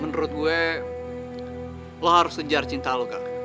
menurut gue lo harus sejar cinta lo kak